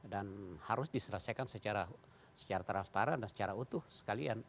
dan harus diselesaikan secara transparan dan secara utuh sekalian